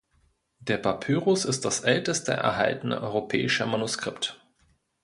Der Papyrus ist das älteste erhaltene europäische Manuskript.